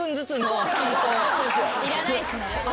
いらないっすね。